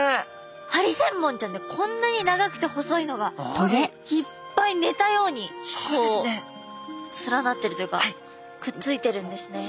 ハリセンボンちゃんってこんなに長くて細いのがいっぱいねたように連なってるというかくっついてるんですね。